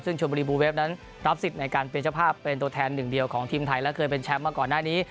ซึ่งชมบุรีบูเวฟนั้นรับสิทธิ์ในการเป็นเจ้าภาพเป็นตัวแทนหนึ่งเดียวของทีมไทยและเคยเป็นแชมป์มาก่อนหน้านี้